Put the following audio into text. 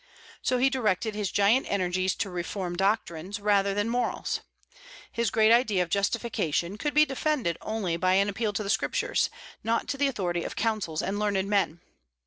So he directed his giant energies to reform doctrines rather than morals. His great idea of justification could be defended only by an appeal to the Scriptures, not to the authority of councils and learned men.